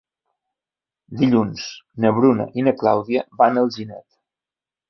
Dilluns na Bruna i na Clàudia van a Alginet.